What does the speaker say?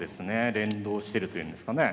連動してるというんですかね。